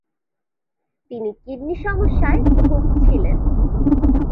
তিনি কিডনি সমস্যায় ভুগছিলেন।